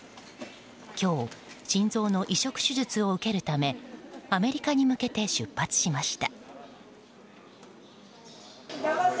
今日心臓の移植手術を受けるためアメリカに向けて出発しました。